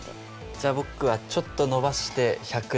じゃあ僕はちょっと伸ばして１００で。